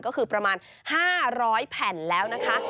ก็คือประมาณ๕๐๐แผ่นแล้วนะคะ